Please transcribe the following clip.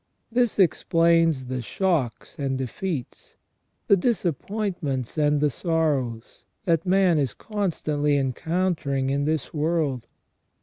This explains the shocks and defeats, the disappointments and the sorrows, that man is constantly encountering in this world.